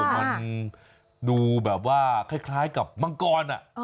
มันดูแบบว่าคล้ายกับมังกร